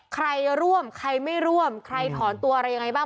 ใครร่วมใครไม่ร่วมใครถอนตัวอะไรยังไงบ้าง